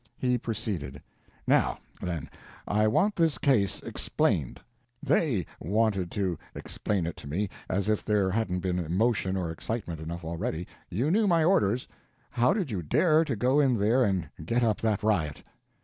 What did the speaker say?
He proceeded: "Now, then, I want this case explained. _They _wanted to explain it to me as if there hadn't been emotion or excitement enough already. You knew my orders; how did you dare to go in there and get up that riot?"